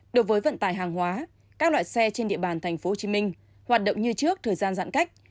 đối với vận tải hàng hóa các loại xe trên địa bàn tp hcm hoạt động như trước thời gian giãn cách